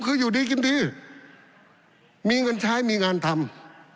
คืออยู่ดีกินดีมีเงินใช้มีงานทำ